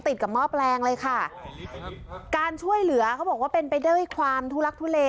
ติดกับหม้อแปลงเลยค่ะการช่วยเหลือเขาบอกว่าเป็นไปด้วยความทุลักทุเล